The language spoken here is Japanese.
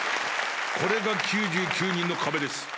これが９９人の壁です。